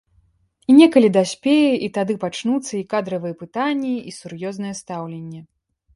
І некалі даспее, і тады пачнуцца і кадравыя пытанні, і сур'ёзнае стаўленне.